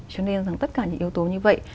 cho nên rằng tất cả những yếu tố như vậy